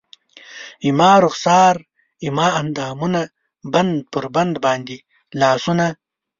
زما رخسار زما اندامونه بند پر بند باندې لاسونه